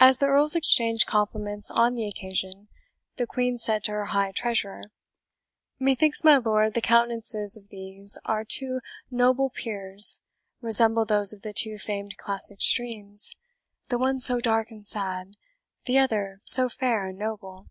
As the Earls exchanged compliments on the occasion, the Queen said to her High Treasurer, "Methinks, my lord, the countenances of these our two noble peers resemble those of the two famed classic streams, the one so dark and sad, the other so fair and noble.